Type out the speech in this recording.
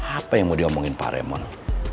apa yang mau diomongin pak remang